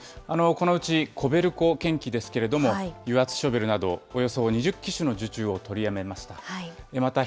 このうちコベルコ建機ですけれども、油圧ショベルなど、およそ２０機種の受注を取りやめました。